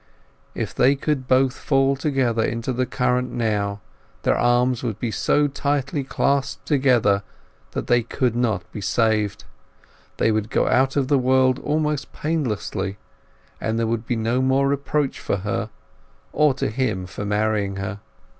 If they could both fall together into the current now, their arms would be so tightly clasped together that they could not be saved; they would go out of the world almost painlessly, and there would be no more reproach to her, or to him for marrying her.